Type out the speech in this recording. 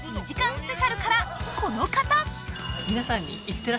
スペシャルからこの方。